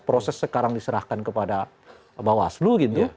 proses sekarang diserahkan kepada bawaslu gitu